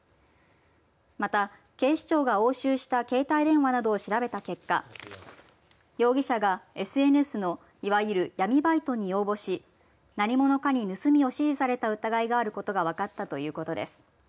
また警視庁が押収した携帯電話などを調べた結果容疑者がＳＮＳの、いわゆる闇バイトに応募し、何者かに盗みを指示された疑いがあることが分かったということです。